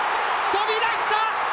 飛び出した。